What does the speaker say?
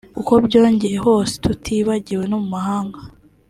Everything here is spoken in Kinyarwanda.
Kuko byogeye hose tutibagiwe no mu mahanga